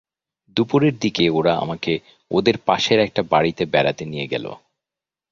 দুপুরের দিকে ওরা আমাকে ওদের পাশের একটা বাড়িতে বেড়াতে নিয়ে গেল।